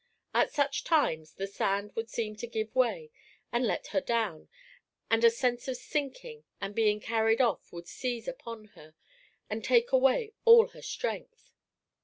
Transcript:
At such times, the sand would seem to give way and let her down, and a sense of sinking and being carried off would seize upon her and take away all her strength.